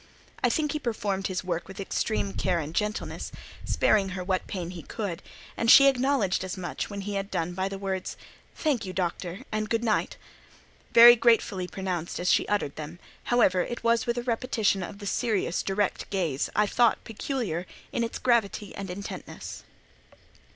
I think he performed his work with extreme care and gentleness, sparing her what pain he could; and she acknowledged as much, when he had done, by the words:—"Thank you, Doctor, and good night," very gratefully pronounced as she uttered them, however, it was with a repetition of the serious, direct gaze, I thought, peculiar in its gravity and intentness.